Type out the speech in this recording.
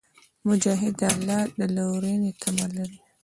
مجاهد د الله د لورینې تمه لري.